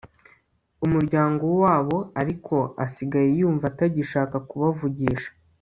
umuryango wabo ariko asigaye yumva atagishaka kubavugisha